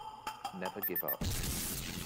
Never give up.